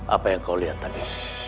apa yang kau lihat tadi